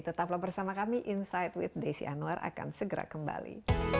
tetaplah bersama kami insight with desi anwar akan segera kembali